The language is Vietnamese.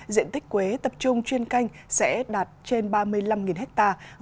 diện tích quế tập trung chuyên canh sẽ đạt trên ba mươi năm hectare